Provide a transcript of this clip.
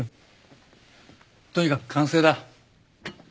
とにかく完成だ。